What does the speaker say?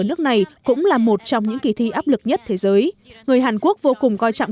nước này cũng là một trong những kỳ thi áp lực nhất thế giới người hàn quốc vô cùng coi trọng